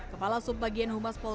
kepala subbagian humas polres